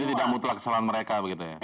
jadi tidak mutlak kesalahan mereka begitu ya